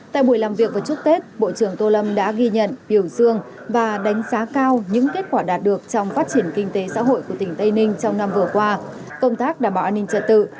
tại buổi làm việc và chúc tết bộ trưởng tô lâm đã ghi nhận biểu dương và đánh giá cao những kết quả đạt được trong phát triển kinh tế xã hội của tỉnh tây ninh trong năm vừa qua công tác đảm bảo an ninh trật tự